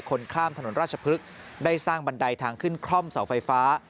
คนข้ามถนนราชพฤกษ์ได้สร้างบันไดทางขึ้นคล่อมเสาไฟฟ้า